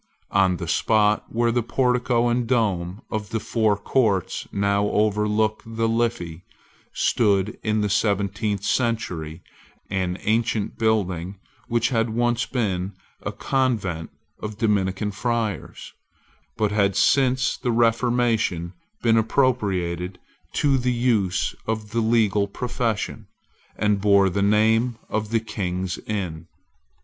On the spot where the portico and dome of the Four Courts now overlook the Liffey, stood, in the seventeenth century, an ancient building which had once been a convent of Dominican friars, but had since the Reformation been appropriated to the use of the legal profession, and bore the name of the King's Inns.